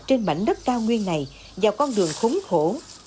trên mảnh đất cao nguyên này vào con đường khốn khổ